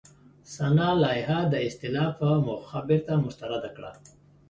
سنا لایحه د اصلاح په موخه بېرته مسترده کړه.